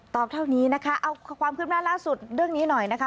เท่านี้นะคะเอาความคืบหน้าล่าสุดเรื่องนี้หน่อยนะคะ